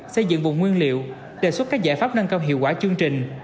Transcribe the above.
xây dựng vùng nguyên liệu đề xuất các giải pháp nâng cao hiệu quả chương trình